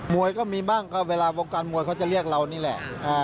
วยก็มีบ้างก็เวลาวงการมวยเขาจะเรียกเรานี่แหละ